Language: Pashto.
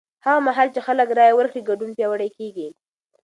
هغه مهال چې خلک رایه ورکړي، ګډون پیاوړی کېږي.